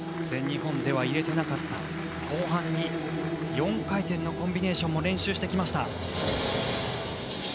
全日本では入れていなかった後半に４回転のコンビネーションも練習してきました。